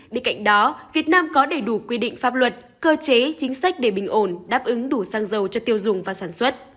bên cạnh đó việt nam có đầy đủ quy định pháp luật cơ chế chính sách để bình ổn đáp ứng đủ xăng dầu cho tiêu dùng và sản xuất